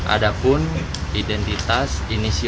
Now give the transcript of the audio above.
ada pun identitas inisiatif